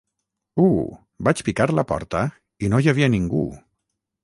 U, Vaig picar la porta i no hi havia ningú!